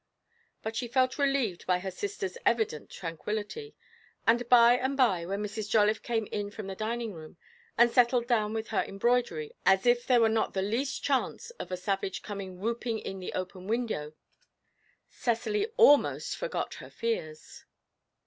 But she felt relieved by her sisters' evident tranquillity, and by and by, when Mrs. Jolliffe came in from the dining room and settled down with her embroidery as if there were not the least chance of a savage coming whooping in the open window, Cecily almost forgot her fears.